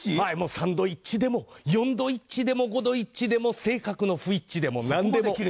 サンドイッチでもヨンドイッチでも性格の不一致でもなんでも。